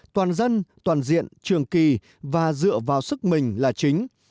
toàn dân toàn diện trường kỳ và dựa vào sức mình là chính